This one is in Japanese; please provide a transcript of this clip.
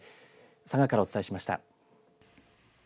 佐賀からお伝えしました。